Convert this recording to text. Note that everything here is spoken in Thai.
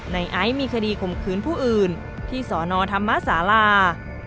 นายไอ้มีคดีคงคืนผู้อื่นที่สอนอธรรมศาลา